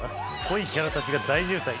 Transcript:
濃いキャラたちが大渋滞。